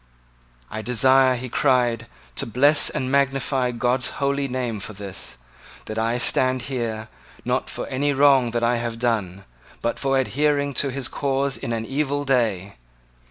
"I desire," he cried, "to bless and magnify God's holy name for this, that I stand here, not for any wrong that I have done, but for adhering to his cause in an evil day.